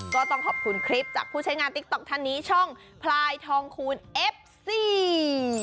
ก็ต้องขอบคุณคลิปจากผู้ใช้งานติ๊กต๊อกท่านนี้ช่องพลายทองคูณเอฟซี